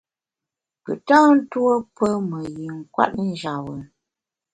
Pùn tâ ntuo pe me yin kwet njap bùn.